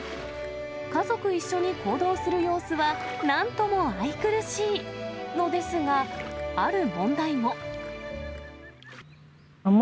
家族一緒に行動する様子は、なんとも愛くるしいのですが、ある問題も。